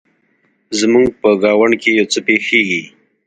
زموږ په ګاونډ کې يو څه پیښیږي